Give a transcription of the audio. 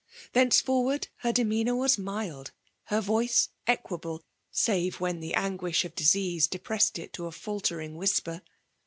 Thenceforward her demeanor was mild, — ^her voice equable, — save when the anguish of disease depressed it to a faltering whisper.